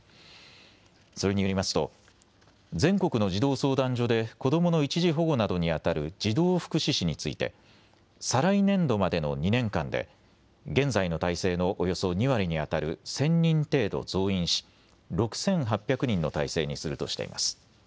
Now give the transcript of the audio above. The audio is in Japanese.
それによりますと全国の児童相談所で子どもの一時保護などにあたる児童福祉司について、再来年度までの２年間で現在の体制のおよそ２割にあたる１０００人程度増員し６８００人の体制にするとしています。